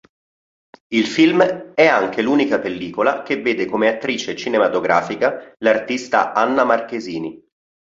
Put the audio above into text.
Il film è anche l'unica pellicola che vede come attrice cinematografica l'artista Anna Marchesini.